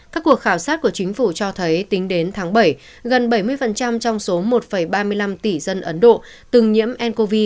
các cuộc khảo sát của chính phủ cho thấy tính đến tháng bảy gần bảy mươi trong số một ba mươi năm tỷ dân ấn độ từng nhiễm ncov